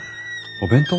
お弁当？